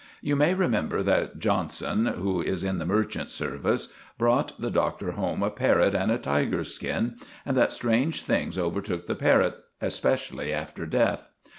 You may remember that Johnson, who is in the merchant service, brought the Doctor home a parrot and a tiger's skin, and that strange things overtook the parrot, especially after death.